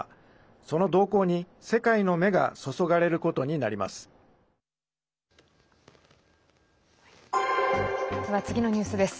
その動向に世界の目が注がれることになります。